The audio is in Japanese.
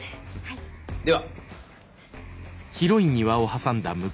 では。